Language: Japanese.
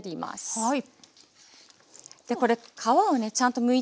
はい。